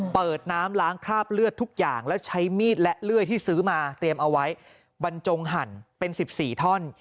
เปิดน้ำล้างคราบเลือดทุกอย่างแล้วใช้มีดและเลื่อยที่ซื้อมาเตรียมเอาไว้บรรจงหั่นเป็น๑๔ท่อน